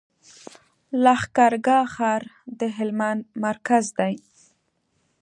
لښکر ګاه ښار د هلمند مرکز دی.